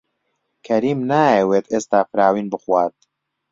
کەریم نایەوێت ئێستا فراوین بخوات.